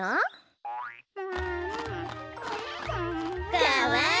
かわいい！